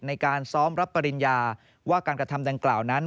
ในการซ้อมรับปริญญาว่าการกระทำดังกล่าวนั้น